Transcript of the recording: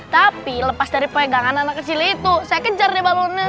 tapi lepas dari pegangan anak kecil itu saya kejar nih balonnya